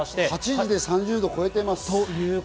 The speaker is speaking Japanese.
８時で３０度を超えています。